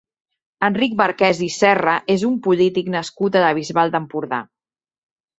Enric Marquès i Serra és un polític nascut a la Bisbal d'Empordà.